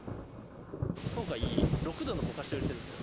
今回、６度のぼかしを入れてるんですよ。